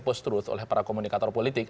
post truth oleh para komunikator politik